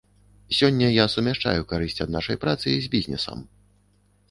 Сёння я сумяшчаю карысць ад нашай працы з бізнесам.